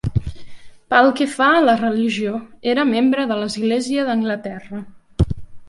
Pel que fa a la religió, era membre de l'Església d'Anglaterra.